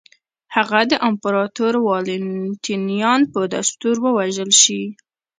هغه د امپراتور والنټینیان په دستور ووژل شي.